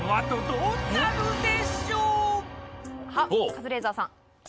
カズレーザーさん。